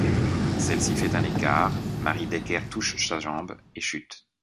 Celle-ci fait un écart, Mary Decker touche sa jambe et chute.